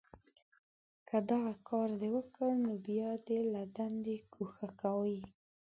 که دغه کار دې وکړ، نو بیا دې له دندې گوښه کوي